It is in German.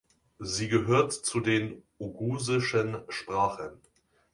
Sie gehört zu den oghusischen Sprachen.